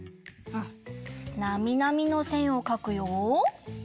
なみなみのせんをかくよ！